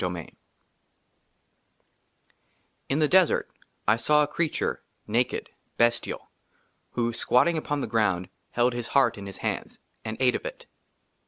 d Ill IN THE DESERT I SAW A CREATURE, NAKED, BESTIAL, WHO, SQUATTING UPON THE GROUND, HELD HIS HEART IN HIS HANDS, AND ATE OF IT.